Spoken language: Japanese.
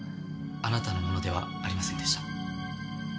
あなたのものではありませんでした。